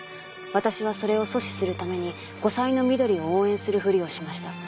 「私はそれを阻止する為に後妻のみどりを応援するふりをしました」